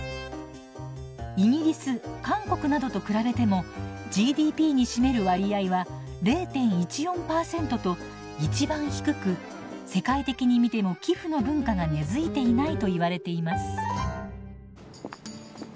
イギリス韓国などと比べてもＧＤＰに占める割合は０．１４％と一番低く世界的に見ても寄付の文化が根づいていないといわれています。